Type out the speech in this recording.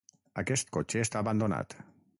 Aquest cotxe està abandonat.